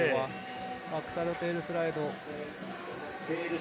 バックサイドテールスライド。